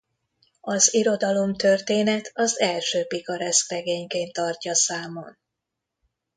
Az irodalomtörténet az első pikareszk regényként tartja számon.